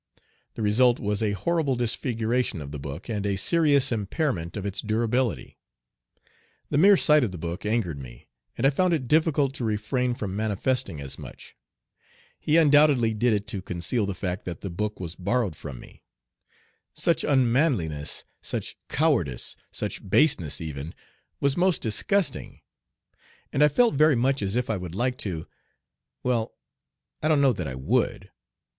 The result was a horrible disfiguration of the book, and a serious impairment of its durability. The mere sight of the book angered me, and I found it difficult to retrain from manifesting as much. He undoubtedly did it to conceal the fact that the book was borrowed from me. Such unmanliness, such cowardice, such baseness even, was most disgusting; and I felt very much as if I would like to well, I don't know that I would.